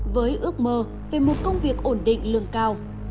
với ước mơ về một công việc ổn định lương cao